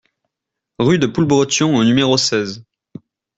Rue de Poulbretion au numéro seize